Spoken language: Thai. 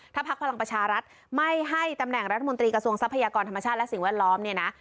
ถ้าพักพลังประชารัฐไม่ให้ตำแหน่งรัฐมนตรีกระทรวงทรัพยากรธรรมชาติและสิ่งแวดล้อมเนี่ยนะ